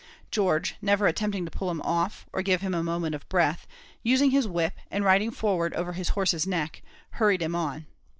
George, never attempting to pull him off, or give him a moment of breath, using his whip and riding forward over his horse's neck, hurried him on.